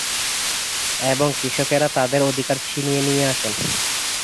এবং কৃষকেরা তাদের অধিকার ছিনিয়ে নিয়ে আসেন।